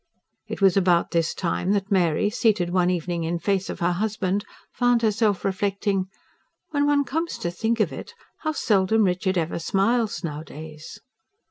It was about this time that Mary, seated one evening in face of her husband, found herself reflecting: "When one comes to think of it, how seldom Richard ever smiles nowadays."